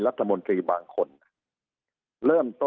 สุดท้ายก็ต้านไม่อยู่